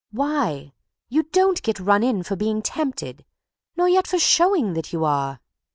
"Why? You don't get run in for being tempted, nor yet for showing that you are!"